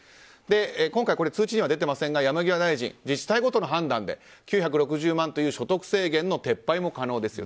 今回、通知には出ていませんが山際大臣自治体ごとの判断で９６０万円という所得制限の撤廃も可能ですよ。